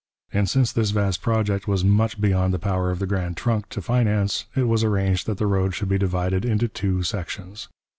And since this vast project was much beyond the power of the Grand Trunk to finance, it was arranged that the road should be divided into two sections.